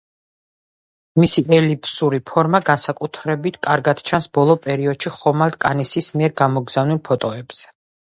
მისი ელიფსური ფორმა განსაკუთრებით კარგად ჩანს ბოლო პერიოდში ხომალდ კასინის მიერ გამოგზავნილ ფოტოებზე.